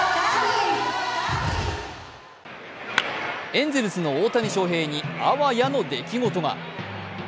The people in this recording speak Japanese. エンゼルスの大谷翔平にあわやの出来事が。